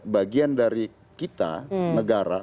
bagian dari kita negara